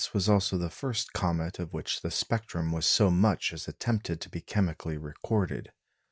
was also the first comet of which the spectrum was so much as attempted to be chemically recorded.